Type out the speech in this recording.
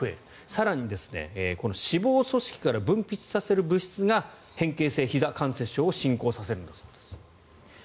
更に脂肪組織から分泌させる物質が変形性ひざ関節症を進行させるんだそうです。